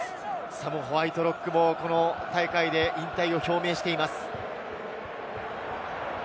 サム・ホワイトロックもこの大会で引退を表明しています。